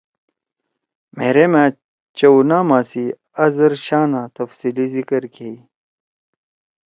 مھیرے مھأ چؤ ناما سی ازر شانا تفصیلی ذکر کیئی۔